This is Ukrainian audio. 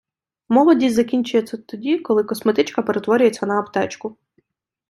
Молодість закінчується тоді, коли косметичка перетворюється на аптечку.